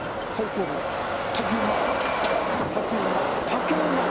竹馬？